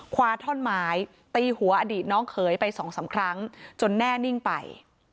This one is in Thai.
คว้าท่อนไม้ตีหัวอดีตน้องเขยไปสองสามครั้งจนแน่นิ่งไป